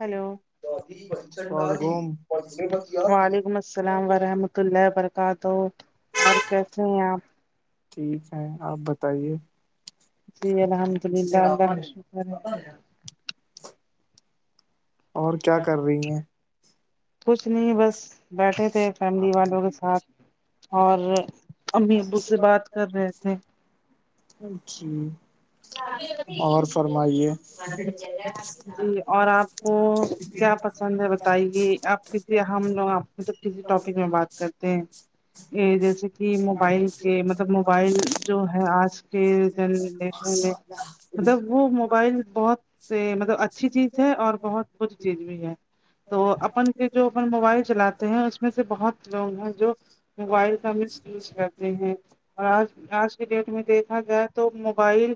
hello سورگوم وعلیکم السلام ورحمۃ اللہ وبرکاتہ اور کیسے ہیں آپ ٹھیک ہے آپ بتائیے جی الحمد اللہ اللہ بہت شکر ہے اور کیا کر رہی ہیں کچھ نہیں بس بیٹھے تھے فیملی والوں کے ساتھ اور امی ابو سے بات کر رہے تھے اچ جی اور فرمائیے اور آپ کو کیا پسند ہے بتائیے آپ کسی ہم لوگ ملب کسی ٹاپک میں بات کرتے ہیں یہ جیسے کہ کہ موبائل کے مطلب موبائل جو ہے آج کے جن لہ مطلب وہ موبائل بہت مطلب اچھی چیز ہے اور بہت بھ چیز بھی ہے تو اپن سے جو اپ موبائل چلاتے ہیں اس میں سے بہت لوگ ہیں جو موبائل کا مس یوز کرتے ہیں اور آج آج کے ڈیٹ میں دیکھا جائے توو موبائل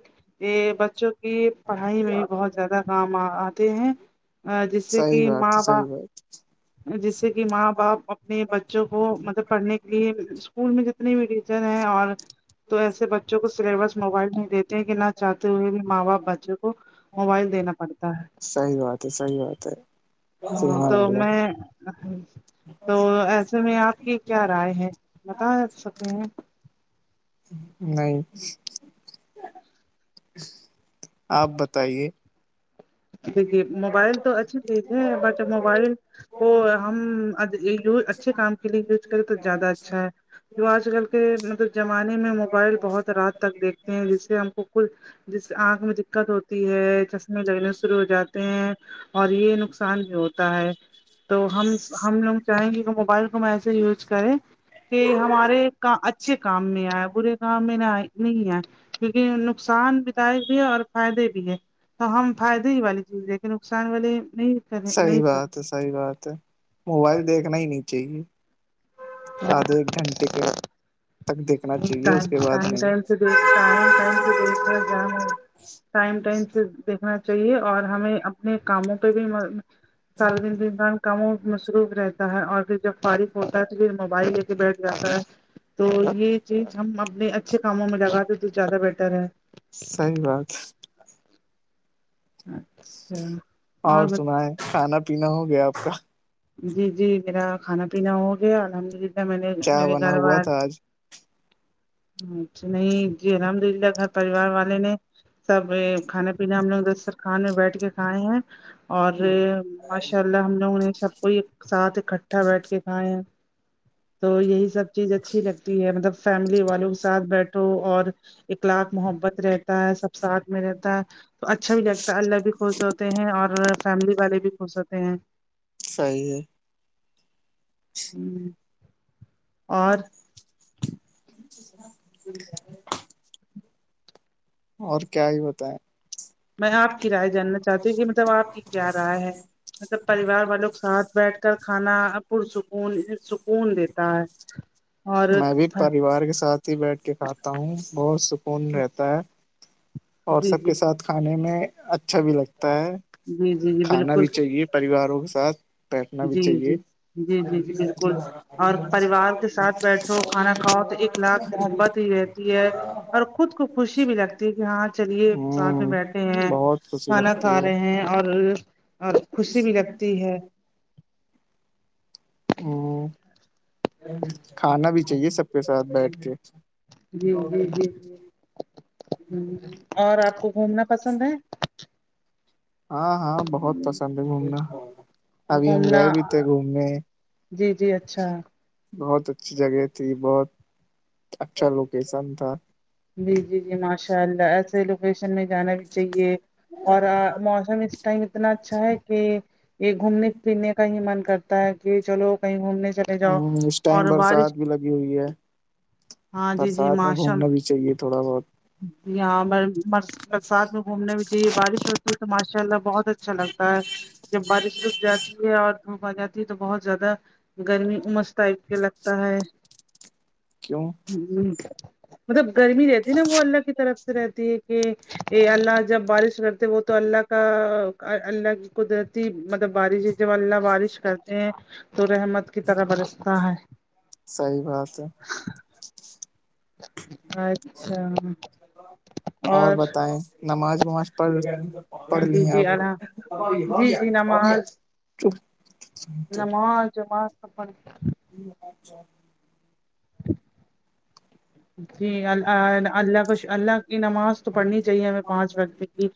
یہ بچوں کی پڑھائی میں بھی بہت زیادہ کام آتے ہیں ا جیسے صحیح کہ بات ہے ماں باپ صحیح بات جس سے کہ ماں باپ اپنے بچوں کو مطلب پڑھنے کے لیے اسکول میں ج اپنی م ریجن ہے اور تو ایسے بچوں کو سلیبس موبائل نہیں دیتے ہیں کہ نہ چاہتے ہوئے بھی ماں باپ بچوں کو موبائل دینا پڑتا ہے صحی بات ہے صحیح بات ہے ہاں سحان تو میں تو ایسے میں آپ کی کیا رائے ہے بتا سک ہ نہیں اچ آپ بتائیے دیکھیے موبائل تو اچھی چیز ہے بٹ موبائل وہ ہم اچھے کام کے لیے یوز کریں تو زیادہ اچھا ہے جو آج کل کے مطلب زمانے میں موبائل بہت رات تک دیکھتے ہیں جس سے ہم کو کچھ جس سے آنکھ میں دقت ہوتی ہے چشمے لگنے شرع ہو جاتے ہیں اور یہ نقصان بھی ہوتا ہے تو ہم ہم لوگ چاہیں گے کہ موبائل کو میں ایسے یوز کرے کہ ہمارے کا اچھے کام میں آئے برے کام میں نہ آئے نہیں ہے کیونکہ نقصان بھی دائ بھی ہے اور فائدے بھی ہے تو ہم فائدے ہی والی چیز ہے کہ نقصان والے نہیں کرنے نہیں صحیح س بات ہے صحیح بات ہے موبائل دیکھنا ہی نہیں چاہیے آدھے ایک گھنٹے کے تک دیکھنا چاہیے ٹائم اس کے بعد ٹائم نہیں سے دیکھ ٹائم ٹائم سے دیکھ ل ج ٹائم جی دیکھنا چاہیے اور ہمیں اپنے کاموں پہ بھی سال دن انسان کاموں مصروف رہتا ہے اور پھر جب فارغ ہوتا ہے تو پھر موبائل بیٹھ جاتا ہے تو یہ چیز ہم اپنے اچھے کاموں میں لگاتے تو زیادہ بیٹر ہے صحیح بات اور سنا ہے کھانا پینا ہو گیا آپ کا جی جی میرا کھانا پینا ہو گیا الحمد للہ میں نے کیا میرے بنا گھر ہوا والار تھا آج اچا نہیں جی الحمد للہ گھر پریوار والے نے سب کھانا پینے ہم لوگ دستر خان میں بیٹھ کے کھائے ہیں اور ماشاء اللہ ہم لوگوں نے سب کو ساتھ اکٹھا بیٹھ کے کھائے ہیں تو یہی سب چیز اچھی لگتی ہے مطلب فیملی والوں کے سھ تو اور اکلاق محبت رہتا ہے سب ساتھ میں رہتا ہے تو اچھا بھی لگتا اللہ بھی خوش ہوتے ہیں اور فیملی والے بھی خوش ہوتے ہیں صحی ہے ہ اور سہی اور کیا ہی ہوت ہے میں آپ کی رائے جاننا چاہتی ہوں کہ مطلب آپ کی کیا رائے ہے مطلب پریوار والوں ساتھ بیٹھ کا کھانا پرسکون سکون دیتا ہے اور میں بھی پریوار کے ساتھ ہی بیٹھ کے کھاتا ہوں بہت سکون رہتا ہے اور جی سب جی کے ساتھ کھانے میں اچھا بھی لگتا ہے جی جی جی کھانا بالکل بھی چاہیے پریواروں کے ساتھ بیٹھنا جی بھی چاہیے جی جی جی جی بالکل اور اخلاق محبت ہی رہتی ہے اور خود کو خوشی بھی لگتی ہے کہ ہاں چلیے ہ ساتھ میں بیٹھ ہیں بہت خوشی کھانا لگتی کھا ہے رہے ہیں اور خوشی بھی لگتی ہے ہ کھانا بھی چاہیے سب کے ساتھ بیٹھ کے جی جی جی جی ہ اور آپ کو گھومنا پسند ہے ہاں ہاں بہت پسند ہے گھومنا ابھی ہم گھومنا گئے بھی تھے گھومنے جی جی اچھا بہت اچھی جگہ تھی بہت اچھا لوکیشن تھا جی جی جی ماشاء اللہ ایسے لوکیشن میں جانا بھی چاہیے اور موسم ٹائم اتنا اچھا ہے کہ یہ گھومنے پھرنے کا ہی من کرتا ہے کہ چلو کہیں گھومنے چلے ہ جاؤ اس ٹائم اور برسات بارش بھی لگی ہوئی ہے ہاں جی برسات میں گھومنا بھی چاہیے تھوڑا بہت جی ہاں برسات میں گھومنے میں جی بارش ہوتی ہے تو ماشاء اللہ بہت اچ اچھا لگتا ہے جب بارش ڈک جاتی ہے اور دھوپ آ جاتی ہے تو بہت زیادہ گرمی امس ٹائپ کے لگتا ہے کیوں ج مطلب گرمی رہتی ہے نا وہ اللہ کی طرف سے رہتی ہے کہ اللہ جب بارش کرتے وہ تو اللہ کا اللہ کی قدرتی مطلب بارش ہے جب اللہ بارش کرتے ہیں تو رحمت کی طرح برستا ہے صحیح بات ہے اچھا اور بتائیں نماز وماز پڑھ پڑھ لی جی ہیں جی آپ اللہ جی جی ھم نمازجم س ہ اچھا جی ال اللہ کو اللہ کی نماز تو پڑھنی چاہیے ہمیں پانچ وقت کی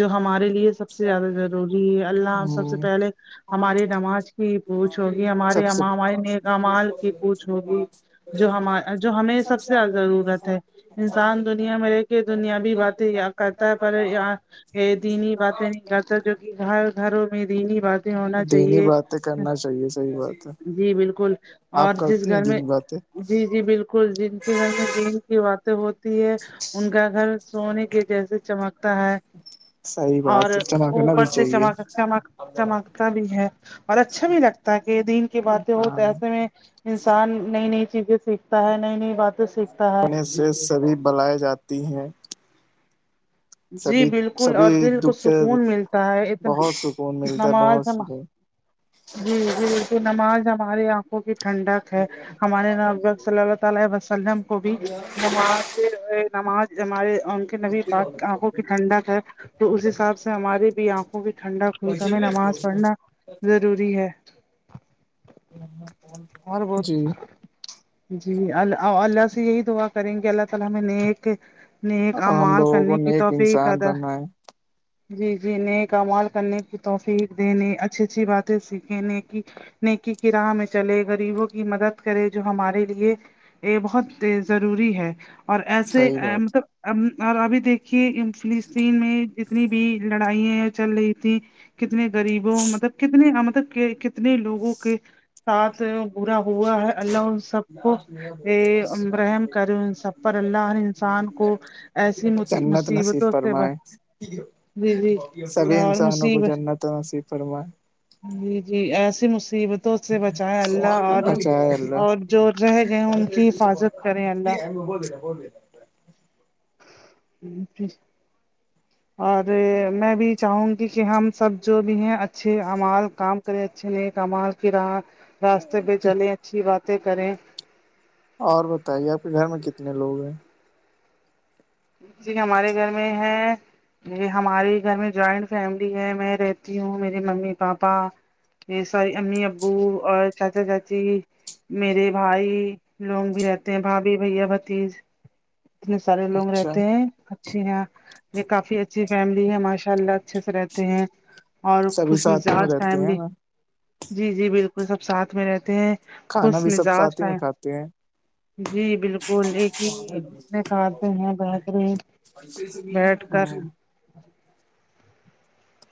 جو ہمارے لیے سب سے زیادہ ضروری ہے اللہ آ سب سے پہلے ہماری نماز کی پوچھ ہوگی ہمارے سب سے ہمارے نیکمال کی پوچھ ہوگی جو ہم جو ہمیں سب سے زیادہ ا گ ضرورت انسان دنیا میں رہ کے دنیابی باتیں کرتا ہے پر یہاں دینی باتیں نہیں کرتا جو کہ گھر گھروں میں دینی باتیں ہونا دینی چاہیے باتیں کرنا چاہیے صحیح بات ہے جی بالکل اور آپ جس کرتی گھر ہیں میں دینی باتیں جی جی بالکل جن زن بی کی باتیں ہوتی ہے ان کا گھر سونے کے جیسے چمکتا ہے صحیح اور بات ہے جمع کرنا اوپر بھی سے چاہیے چمک چمک چمکتا بھی ہے اور اچھا بھی لگتا ہے کہ دین کی باتیں ہو تو ایسے میں انسان نئی نئی چیزیں سیکھتا ہے نئی نئی ود سیکھتا ہے پڑھنے سے سبھی بلائے جاتی ہیں جی سبھی بالکل اور سبھی دل کو دکھ سکون ملتا ہے اتنا بہت سکون ملتا ہے نماز بہت ن سکون جی جی پ نماز ہماریے آپ کو بھی ٹھنڈک ہے ہمارے ن صلی اللہ تعالی وسلم کو بھیم نماز ہمارے ان کے نبی پاک آنکھوں کی ٹھنڈک ہے تو اس حساب سے ہماری بھی آنکھوں کی ٹھنڈک ئی تویں نماز پڑھنا ضروری ہے ہ اور بہت جی دعا کریں گے اللہ تعالی ہمیں نیک ن ہم کامال کرنے کی توفی کادہ ببگ جی جی نئے کمال کرنے کی توفیق دینے اچھی اچھی باتیں سیکھے ن کی نیکی کی راہ میں چلے گغریبوں کی مدد کرے جو ہمارے لیے یہ بہت ضروری ہے اور ایسے صحیح بات مطلب اور ابھی دیکھیے فلسطین میں جتنی بھی لڑائں چل رہی تھیں کتنے غریبوں مطلب کتنے مطلب کنے اتنے لوگوں کے ساتھ برا ہوا ہے اللہ سب کو ا برحم کرے ان سب پر اللہر انسان کو ایسی جنت نصیب مصیبتوں سے فرمائے جی جی سبھی اور انسانوں کو مصیبت جنت نصیب سوا جی جی ایسی مصیبتوں سے بچائائے اللہ اور بچائے اللہ اور جو رہ گئے ان کی حفاظت کریں ج ہم بوودینا بوندینا ہ پھر ہ اور میں بھی چاہوں گی کہ ہم سب جو بھی ہیں اچھے امال کام کریں اچھے ن کمال کرا راستے پہ چلے اچھی باتیں کریں اور بتائیے آپ کے گھر میں کتنے لوگ ہیں جی ہمارے گھر میں ہے یہ ہمارے گھر میں جوائنٹ فیملی ہے میں رہتی ہوں میری ممی پاپا یہ ساری امی ابو اور چاچا چاچی میرے بھائی لوگ بھی رہتے ہیں بھابھی بھیا بھتیج اتنے سارے لوگ رہتے اچھا اچ یہ کافی اچھی فیملی ہے ماشاء اللہ اچھے سے رہتے ہیں اور سبھی خوش ساتھی میں مزاج رہتے ہیں فیملی نا جی جی بالکل سب ساتھ میں رہتے ہیں کھانا خوش بھی سب مزاج ساتھ ہی میں ہے کھاتے ہیں جی بالکل ایک ہی اس میں کھاتے ہیں بہت ے ز [unintelligible]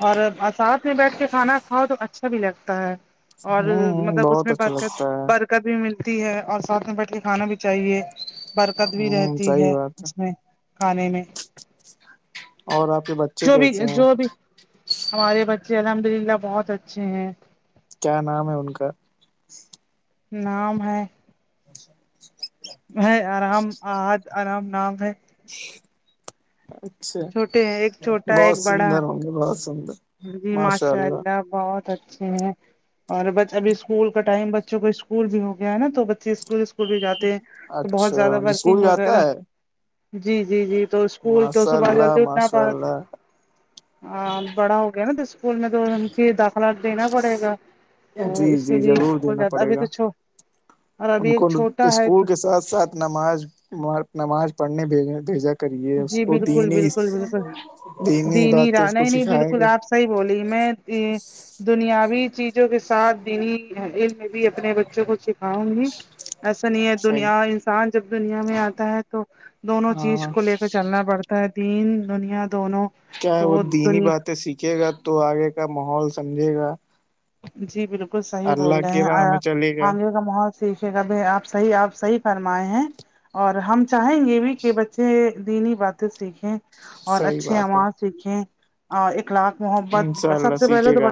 اور ساتھ میں بیٹھ کے کھانا کھاؤ تو اچھا بھی لگتا ہے اور ہوں مطلب اس بہت میں اچھا بر لگتا ہے بر دقت بھی ملتی ہے اور ساتھ میں بیٹھ کے کھانا بھی چاہیے بر دقت بھی ہوں رہتی صحیح ہے بات اس میں کھانے میں اور آپ کے بچ جو بھی جو بھی ہمارے بچے الحمد للہ بہت اچھے ہیں کیا نام ہے ان کا نام ہے ہے آرام آاد آرام نام ہے اچھا چھوٹے ہیں ایک چھوٹا ہے ایک بڑا ہے ے بہت سندر جی ماشاء اللہ بہت اچھے ہیں اور ب ابھی اسکول کا ٹائم بچوں کوکول اسکول بھی ہو گیا ہے نا تو بچے اسکول اسکول بھی جاتے ہیں تو بہت زیادہ اچھا جی اسکول ورکنگ جاتا وغیرہ ہے جی جی جی تو اسکول تو ماشاء صبح اللہ جلتے اٹھنا ماشاء پڑا اللہ ہاں بڑا ہو گیا نا تو اسکول میں تو ان کی داخلہ دینا پڑے گا تو جی جی اسی لیے ضرور اسکول دینا جاتا پڑے ابھی گا تو اور ان ابھی کو ایک چھوٹا ہے اسکول کے ساتھ ساتھ نماز نماز پڑھنے بھیج بھیجیں کریے اس جی کو بالکل تین ہی بالکل بالکل تین ہی دینی باتیں راہ اس کو نہیں نہیں سکھائے بالکل گا آپ صحیح بولی میں دنیاوی چیزوں کے سات دین علم میں بھی اپنے بچوں کو سکھاؤں گی ایسا نہیں ہے صحیح دنیا انسان جب دنیا میں آتا ہے تو دونوں چیز ہاں کو لتا نا پڑتا ہے دین دنیا دونوں کیا وہ تو دینی دنیا باتیں سیکھے گا تو آگے کا ماحول سمجھے گا جی بالکل صحیح بول اللہ رہے کی راہ ہیں میں چلے گا ہم کا محت سیکھے گا ب آپ صح آپ صحی فرمائے ہیں اور ہم چاہیں گے بھی کہ بچے دینی باتیں سیکھیں اور صحیح اچھے بات آواز سیکھیں اخلاق ہے انشاء محبت سب اللہ سے پہلے سیکھے تو ب گا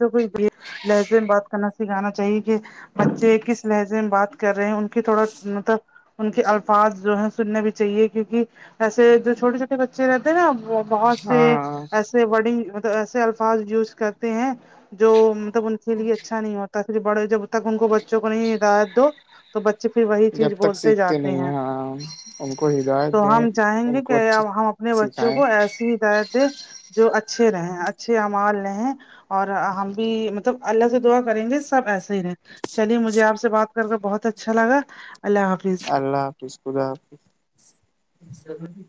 بوں کو لہجے میں بات کرنا سکھانا چاہیے کہ بچے کس لجے بات کر رہے ہیں ان کے تھوڑا مطلب ان کے الفاظ جو ہے سننا بھی چاہیے کیونکہ ایسے جو چھوٹے چھوٹے بچے رہتے ہیں نا وہ بہت سے ہاں ایسے بڑی ملب ایسے ال ف یوز کرتے ہیں جو مطلب ان کے لیے اچھا نہیں ہوتاے بڑے جب تک ان کو بچوں کو نہیں ہدایت دو تو بچے پھر وہی چیز جب تک بولتے سیکھتے جاتے نہیں ہیں ہاں ان کو ہدایت تو دیں ہم چاہیں ان گے کو کہ اچھا اب ہم اپنے بچوں سکھائیں کو ایسی ہدایت دے جو اچھے رہیں اچھے امال رہ ہیں اور ہم بھی مطلب اللہ سے دعا کریں گے سب ایسے ہی رہ چلیے مجھے آپ سے بات کر کے بہت اچھا لگا اللہ حافظ فس خدا حافظ